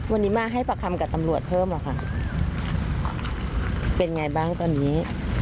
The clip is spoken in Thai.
วันนี้มาให้ปากคำกับตำรวจเพิ่มเหรอคะเป็นไงบ้างตอนนี้